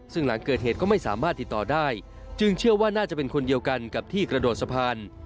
ซึ่งหลังเกิดเหตุก็ไม่สามารถติดต่อได้จึงเชื่อว่าน่าจะเป็นคนเดียวกันกับที่กระโดดสะพาน